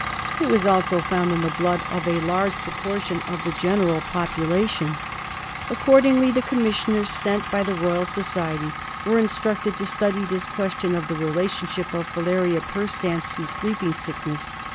It was also found in the blood of a large proportion of the general population. Accordingly the commissioners sent by the Royal Society were instructed to study this question of the relationship of Filaria perstans to Sleeping Sickness.